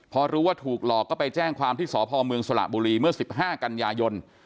พอรู้ว่าถูกหลอกก็ไปแจ้งความที่สพเมืองสระบุรีเมื่อ๑๕กันยายน